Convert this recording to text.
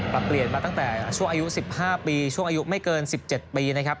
ปรับเปลี่ยนมาตั้งแต่ช่วงอายุ๑๕ปีช่วงอายุไม่เกิน๑๗ปีนะครับ